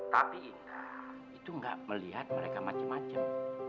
tapi itu nggak melihat mereka macam macam